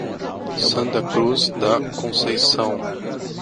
Santa Cruz da Conceição